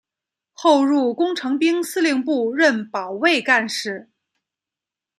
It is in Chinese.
后入工程兵司令部任保卫干事。